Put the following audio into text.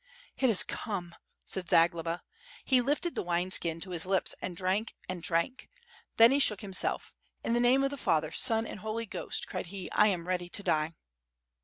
"It has come," said Zagloba. He lifted the wine skin to his lips and drank and drank. Then he shook himself. "In the name of the Father, Son and Holy Ghost!" cried he, "I am ready to die."